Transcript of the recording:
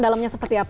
dalamnya seperti apa